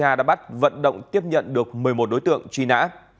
nga đã bắt vận động tiếp nhận được một mươi một đối tượng truy nã